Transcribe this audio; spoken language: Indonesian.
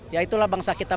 yaitulah bangsa kita